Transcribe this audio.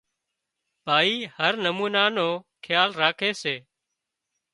ڀائي هر نُمونا نو کيال ڪري سي